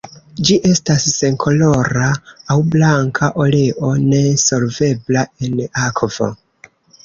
Ĝi estas senkolora aŭ blanka oleo, ne solvebla en akvo.